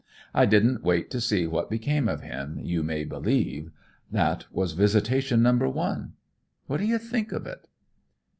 I didn't wait to see what became of him, you may believe. That was visitation number one. What do you think of it?"